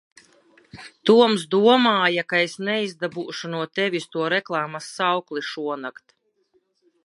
Toms domāja, ka es neizdabūšu no tevis to reklāmas saukli šonakt.